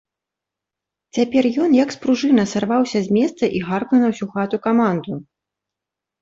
Цяпер ён, як спружына, сарваўся з месца і гаркнуў на ўсю хату каманду.